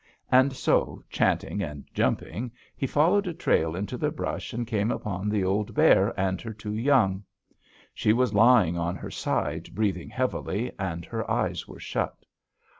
And so, chanting and jumping, he followed a trail into the brush and came upon the old bear and her two young. She was lying on her side, breathing heavily, and her eyes were shut.